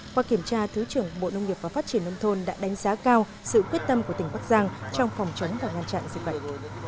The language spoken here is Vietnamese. qua kiểm tra thứ trưởng bộ nông nghiệp và phát triển nông thôn đã đánh giá cao sự quyết tâm của tỉnh bắc giang trong phòng chống và ngăn chặn dịch bệnh